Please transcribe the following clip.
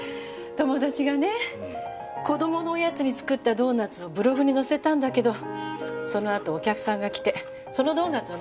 友達がね子供のおやつに作ったドーナツをブログに載せたんだけどそのあとお客さんが来てそのドーナツを出したんですって。